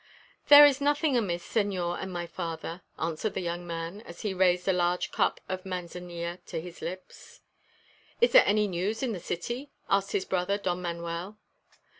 "There is nothing amiss, señor and my father," answered the young man, as he raised a large cup of Manzanilla to his lips. "Is there any news in the city?" asked his brother Don Manuel.